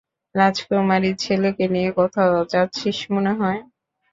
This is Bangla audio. রাজকুমারী, ছেলেকে নিয়ে কোথাও যাচ্ছিস মনে হয়?